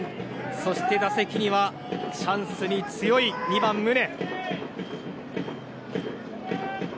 そして打席にはチャンスに強い２番、宗。